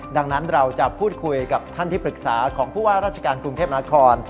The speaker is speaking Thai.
ดังนั้นเราจะพูดคุยกับท่านที่ปรึกษาของผู้ว่าราชการกรุงเทพนคร